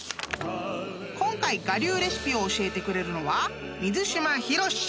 ［今回我流レシピを教えてくれるのは］